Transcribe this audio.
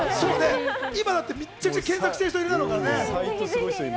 今めちゃくちゃ検索してる人いるだろうね。